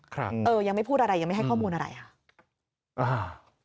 ครับเออยังไม่พูดอะไรยังไม่ให้ข้อมูลอะไรค่ะอ่า